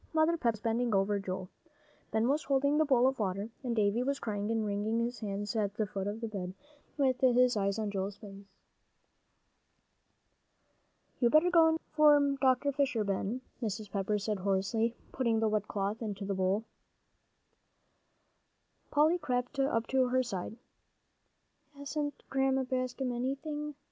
Mother Pepper was bending over Joel. Ben was holding the bowl of water, and Davie was crying and wringing his hands at the foot of the bed, with his eyes on Joel's face. "You better go for Dr. Fisher, Ben," Mrs. Pepper said hoarsely, putting the wet cloth into the bowl. Polly crept up to her side. "Hasn't Grandma Bascom anything?"